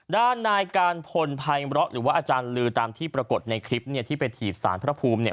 ด้านนายการผลพัยเบลอหรือว่าอาจารย์ลือตามที่ปรากฏในคลิปที่ไปถีบศาลพระภูมิ